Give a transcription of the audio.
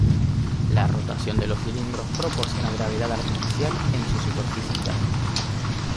La rotación de los cilindros proporciona gravedad artificial en su superficie interna.